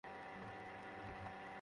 তোমার একটা উপকার করছি।